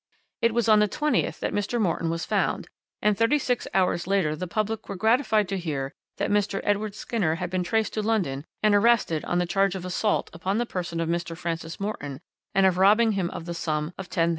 It was on the 20th that Mr. Morton was found, and thirty six hours later the public were gratified to hear that Mr. Edward Skinner had been traced to London and arrested on the charge of assault upon the person of Mr. Francis Morton and of robbing him of the sum of £10,000.